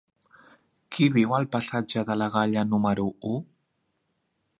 Qui viu al passatge de la Galla número u?